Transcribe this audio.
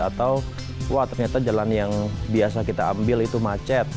atau wah ternyata jalan yang biasa kita ambil itu macet